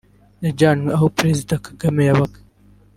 yajyanywe aho perezida Kagame yabaga